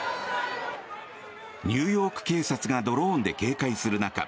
ニューヨーク警察がドローンで警戒する中